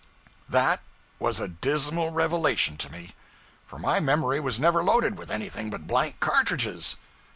That was a dismal revelation to me; for my memory was never loaded with anything but blank cartridges.